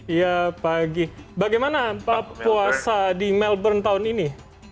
iya pagi bagaimana pak puasa di melbourne tahun ini